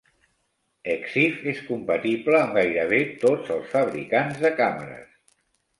Exif és compatible amb gairebé tots els fabricants de càmeres.